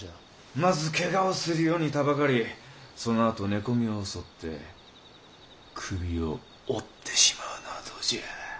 ・まずけがをするようにたばかりそのあと寝込みを襲って首を折ってしまうのはどうじゃ。